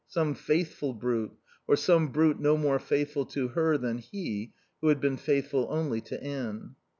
Some faithful brute; or some brute no more faithful to her than he, who had been faithful only to Anne.